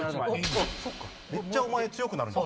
めっちゃお前強くなる。